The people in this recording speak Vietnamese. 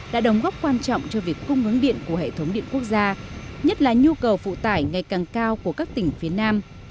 đã đóng góp quan trọng cho việc cung ứng điện của hệ thống điện quốc gia nhất là nhu cầu phụ tải ngày càng cao của các tỉnh phía nam